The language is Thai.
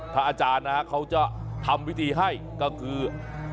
ถ้าอาจารย์นะครับเค้าจะทำวิธีให้ก็คือ